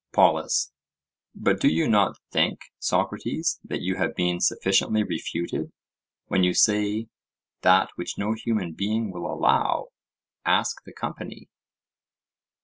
POLUS: But do you not think, Socrates, that you have been sufficiently refuted, when you say that which no human being will allow? Ask the company.